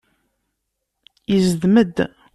Izdem-d.